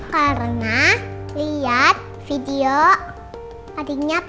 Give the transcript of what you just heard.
karena lihat video adiknya papa